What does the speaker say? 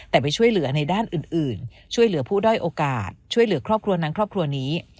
แต่ไปช่วยเหลือในด้านอื่นช่วยเหลือผู้ด้อยโอกาสช่วยเหลือครอบครัวนั้นครอบครัวนี้